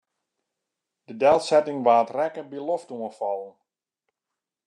De delsetting waard rekke by loftoanfallen.